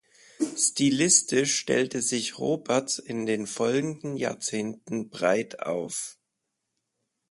Stilistisch stellte sich Roberts in den folgenden Jahrzehnten breit auf.